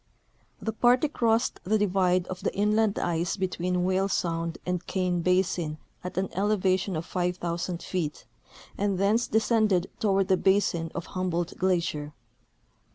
The party crossed the divide of the inland ice between Whale sound and Kane basin at an elevation of 5,000 feet, and thence de scended toward the basin of Humboldt glacier.